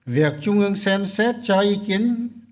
việc trung ương xem xét cho ý kiến